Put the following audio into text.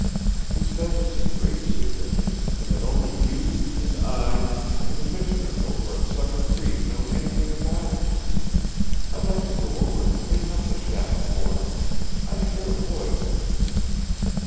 He says it's a great secret, and that only you, and I, and the Missioner over at Sucker Creek know anything about it. I'd like to go over and clean up the shack for him. I sure would."